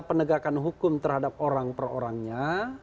penegakan hukum terhadap orang per orangnya